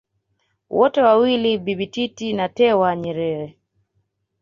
wote wawili Bibi Titi na Tewa Nyerere